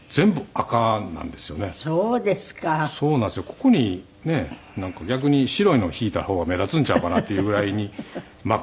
ここにねえなんか逆に白いの敷いた方が目立つんちゃうかなっていうぐらいに真っ赤で。